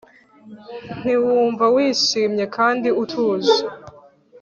Ntiwumva wishimye kandi utuje